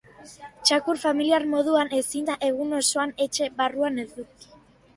Txakur familiar moduan ezin da egun osoan etxe barruan eduki.